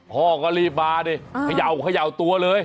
พ่อก็รีบมาเนี่ยขย่าวตัวเลย